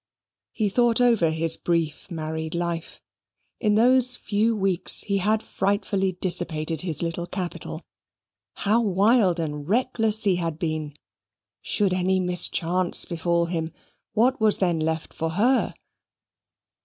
He thought over his brief married life. In those few weeks he had frightfully dissipated his little capital. How wild and reckless he had been! Should any mischance befall him: what was then left for her?